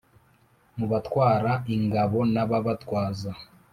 Mu batwara ingabo n`ababatwaza.